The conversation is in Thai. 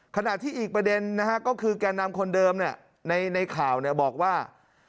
ขณะที่อีกประเด็นนะฮะก็คือแก่นำคนเดิมในข่าวบอกว่า